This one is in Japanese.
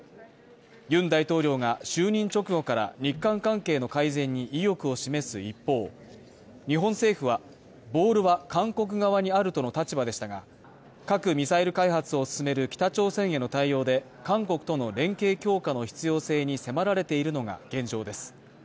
ユン大統領が就任直後から日韓関係の改善に意欲を示す一方、日本政府は、ボールは韓国側にあるとの立場でしたが、各・ミサイル開発を進める北朝鮮への対応で、韓国との連携強化の必要性に迫られているのが現状です。